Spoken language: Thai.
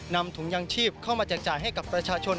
นำถุงยางชีพเข้ามาแจกจ่ายให้กับประชาชน